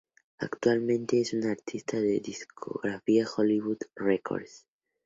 Actualmente es un artista de la discográfica Hollywood Records.